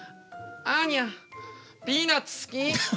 アーニャピーナツ好き。